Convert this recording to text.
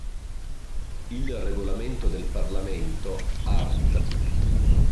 Il regolamento del Parlamento, art.